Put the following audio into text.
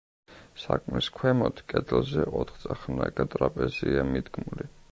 სარკმლის ქვემოთ, კედელზე ოთხწახნაგა ტრაპეზია მიდგმული.